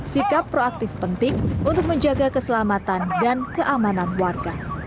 sikap proaktif penting untuk menjaga keselamatan dan keamanan warga